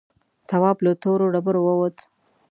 تواب له تورو ډبرو ووت.